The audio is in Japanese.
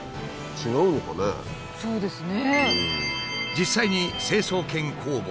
そうなんですね。